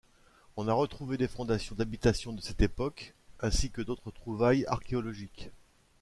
On a retrouvé des fondations d'habitations de cette époque, ainsi que d'autres trouvailles archéologiques.